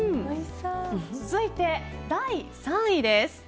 続いて、第３位です。